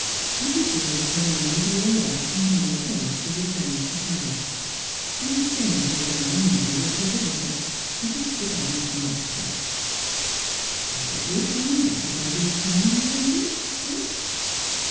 Mrs. Dawley came in with more logs and more turf to replenish the fire, She had changed her gown in honour of her visitor, and had put on a smart cap. ' I hope you are feeling better by this time, my lady,' she said.